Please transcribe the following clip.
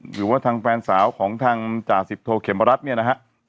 หรือว่าทางแฟนสาวของทางจ่าสิบโทเขมรัฐเนี่ยนะฮะ